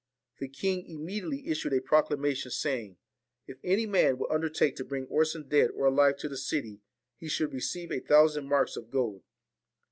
The king immediately issued a proclamation, saying, if any man would undertake to bring Orson dead or alive to the city, he should receive a thousand marks of gold.